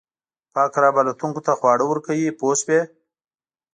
پاک رب الوتونکو ته خواړه ورکوي پوه شوې!.